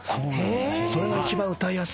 それが一番歌いやすいってこと？